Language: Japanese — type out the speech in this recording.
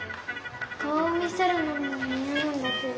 顔を見せるのもいやなんだけど。